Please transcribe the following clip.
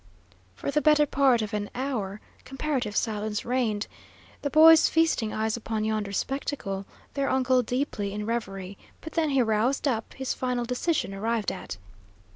For the better part of an hour comparative silence reigned, the boys feasting eyes upon yonder spectacle, their uncle deeply in reverie; but then he roused up, his final decision arrived at.